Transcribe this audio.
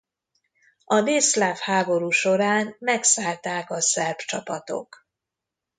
A délszláv háború során megszállták a szerb csapatok.